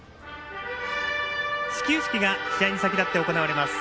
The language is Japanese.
始球式が試合に先立って行われます。